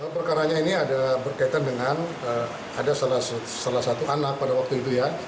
perkaranya ini ada berkaitan dengan ada salah satu anak pada waktu itu ya